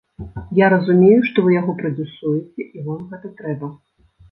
Я разумею, што вы яго прадзюсуеце і вам гэта трэба.